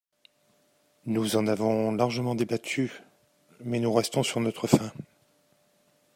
Nous en avons largement débattu, mais nous restons sur notre faim.